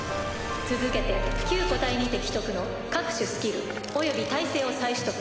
続けて個体にて既得の各種スキル及び耐性を再取得。